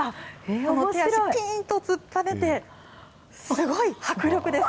この手足、ぴーんと突っぱねて、すごい迫力です。